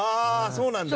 そうなんだ。